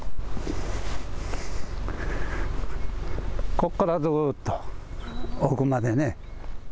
ここからずーっと奥までね。